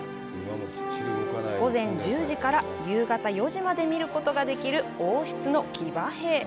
午前１０時から夕方４時まで見ることができる王室の騎馬兵。